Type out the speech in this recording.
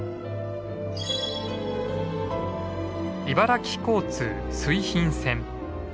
茨城交通水浜線。